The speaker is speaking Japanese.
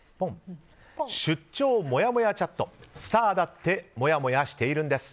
出張もやもやチャットスターだってもやもやしてるんです！